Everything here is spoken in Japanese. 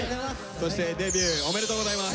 そしてデビューおめでとうございます。